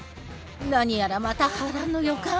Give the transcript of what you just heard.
何やらまた波乱の予感。